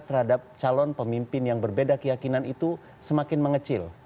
dan penerimaan warga masyarakat terhadap calon pemimpin yang berbeda keyakinan itu semakin mengecil